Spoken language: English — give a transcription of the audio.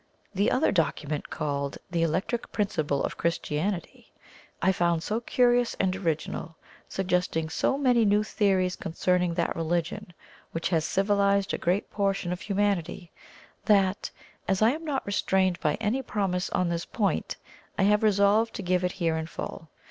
The other document, called "The Electric Principle of Christianity," I found so curious and original, suggesting so many new theories concerning that religion which has civilized a great portion of humanity, that, as I am not restrained by any promise on this point, I have resolved to give it here in full.